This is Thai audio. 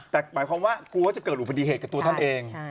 แต่หมายความว่ากลัวจะเกิดอุบัติเหตุกับตัวท่านเอง